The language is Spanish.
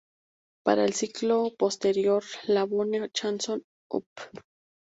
Para el ciclo posterior "La bonne chanson", Op.